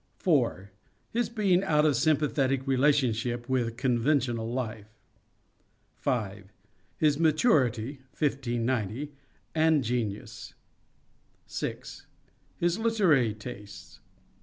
4. His being out of sympathetic relationship with conventional life. 5. His maturity (1590) and genius. 6. His literary tastes. 7.